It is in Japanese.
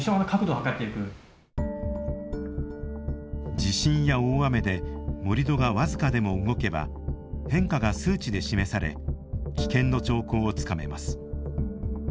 地震や大雨で盛土が僅かでも動けば変化が数値で示され危険の兆候をつかめます。